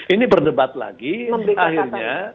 ini berdebat lagi akhirnya